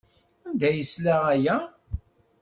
Anda ay yesla aya?